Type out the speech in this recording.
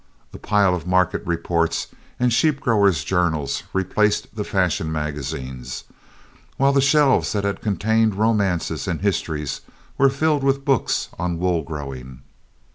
A pile of market reports and Sheep Growers' Journals replaced the fashion magazines, while the shelves that had contained romances and histories were filled with books on wool growing.